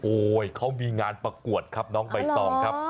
เขามีงานประกวดครับน้องใบตองครับ